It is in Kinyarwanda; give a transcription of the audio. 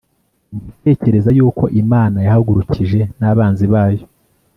Ndatekereza yuko Imana yahagurukirije n’abanzi bayo